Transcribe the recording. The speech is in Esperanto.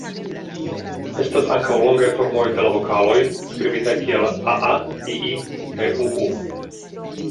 Estas ankaŭ longaj formoj de la vokaloj, skribitaj kiel 'aa', 'ii' kaj 'uu'.